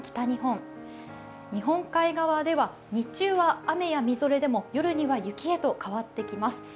日本海側では日中は雨やみぞれでも夜には雪へと変わってきます。